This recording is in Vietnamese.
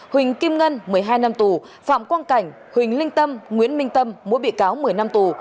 huỳnh kim ngân một mươi hai năm tù phạm quang cảnh huỳnh linh tâm nguyễn minh tâm mỗi bị cáo một mươi năm tù